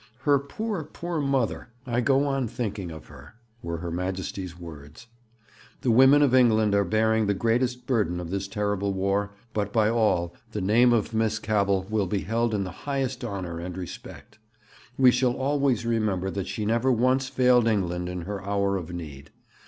"Her poor, poor mother. I go on thinking of her," were Her Majesty's words. The women of England are bearing the greatest burden of this terrible War, but by all the name of Miss Cavell will be held in the highest honour and respect. We shall always remember that she never once failed England in her hour of need.